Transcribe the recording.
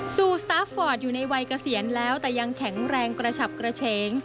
สู่สตาร์ฟฟอร์ดอยู่ในวัยเกษียณแล้วแต่ยังแข็งแรงกระฉับกระเฉง